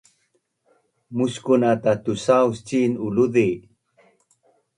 Muskun ata tusauc cin uluzi!